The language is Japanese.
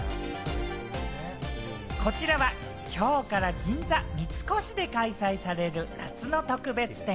こちらはきょうから銀座三越で開催される夏の特別展。